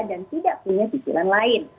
dan tidak punya cicilan lain